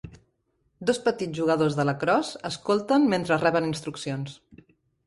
Dos petits jugadors de lacrosse escolten mentre reben instruccions.